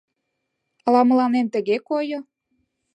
Ала мыланем тыге койо.